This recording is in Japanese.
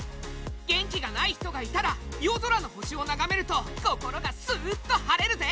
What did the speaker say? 元気がない人がいたら夜空の星を眺めると心がスーッと晴れるぜ！